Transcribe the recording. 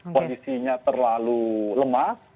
kondisinya terlalu lemah